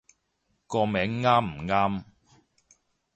個名啱唔啱